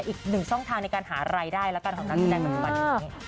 อีก๑ช่องทางในการหารายได้ละกันของนักดิจัยฝรั่งประดิษฐภัณฑ์